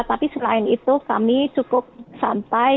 tapi selain itu kami cukup sampai